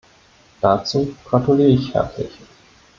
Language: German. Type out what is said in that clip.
Dazu gratuliere ich herzlich.